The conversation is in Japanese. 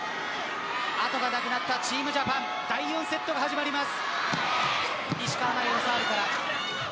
後がなくなったチームジャパン第４セットが始まります。